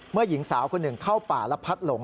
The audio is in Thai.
หญิงสาวคนหนึ่งเข้าป่าและพัดหลง